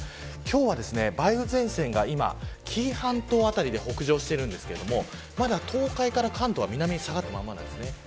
今日は梅雨前線が今紀伊半島辺りで北上しているんですけれどもまだ東海から関東は南に下がったままです。